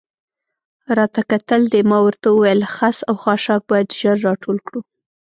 راته کتل دې؟ ما ورته وویل: خس او خاشاک باید ژر را ټول کړو.